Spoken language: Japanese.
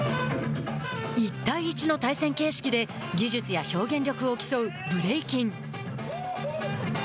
１対１の対戦形式で技術や表現力を競うブレイキン。